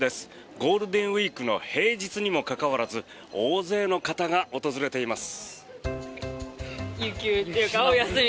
ゴールデンウィークの平日にもかかわらず大勢の方が訪れています。